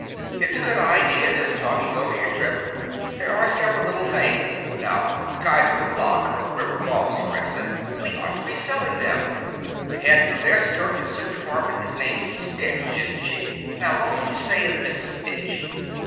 It's a good idea this talking over your trip. There are several little things now Kiser & Bloch, of River Falls, for instance. We ought to be selling them. The head of their skirt and suit department is named Stitch, isn't she? Now, what would you say of Miss Stitch?"